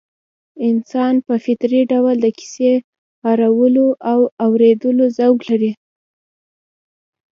انسان په فطري ډول د کيسې اورولو او اورېدلو ذوق لري